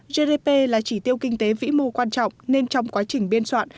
gdp là chỉ tiêu kinh tế vĩ mô quan trọng nên trong quá trình biên soạn